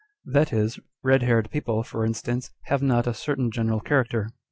* That is, red haired people, for instance, have not a certain general character.